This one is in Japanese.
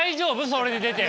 それで出て。